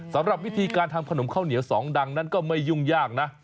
สำหรับวิธีการทำขนมข้าวเหนียวสองดังนั้นก็ไม่ยุ่งยากนะ